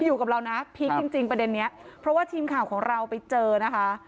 อยู่กับเรานะพีคจริงจริงประเด็นนี้เพราะว่าทีมข่าวของเราไปเจอนะคะ